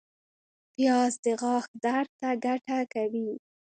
پیاز د غاښ درد ته ګټه کوي